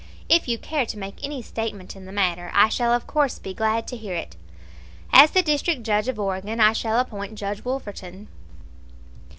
If you care to make any statement in the matter, I shall of course be glad to hear it. As the District Judge of Oregon I shall appoint Judge Wolverton."